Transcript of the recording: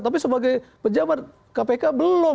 tapi sebagai pejabat kpk belum